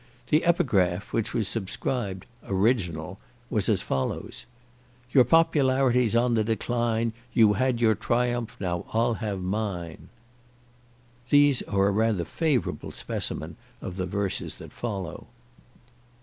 The epigraph, which was subscribed "original," was as follows: "Your popularity's on the decline: You had your triumph! now I'll have mine." These are rather a favourable specimen of the verses that follow.